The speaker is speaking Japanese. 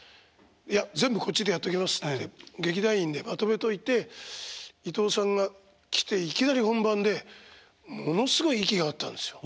いや全部こっちでやっときますって劇団員でまとめといて伊東さんが来ていきなり本番でものすごい息が合ったんですよ。